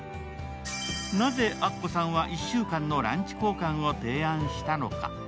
なぜアッコさんは１週間のランチ交換を提案したのか？